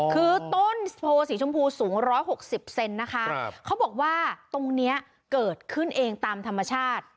คือต้นโพสีชมพูสูง๑๖๐เซนนะคะเขาบอกว่าตรงนี้เกิดขึ้นเองตามธรรมชาติ